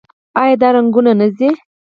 آیا دا رنګونه نه ځي؟